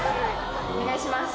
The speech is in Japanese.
お願いします。